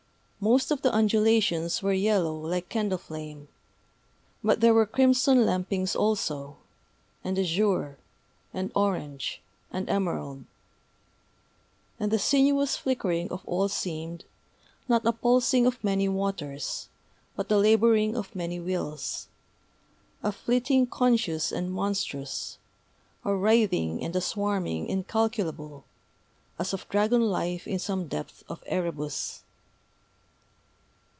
Most of the undulations were yellow like candle flame; but there were crimson lampings also, and azure, and orange, and emerald. And the sinuous flickering of all seemed, not a pulsing of many waters, but a laboring of many wills, a fleeting conscious and monstrous, a writhing and a swarming incalculable, as of dragon life in some depth of Erebus.